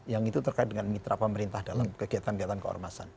yang itu terkait dengan mitra pemerintah dalam kegiatan kegiatan keormasan